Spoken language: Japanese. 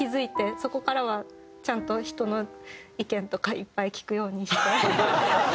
そこからはちゃんと人の意見とかいっぱい聞くようにして。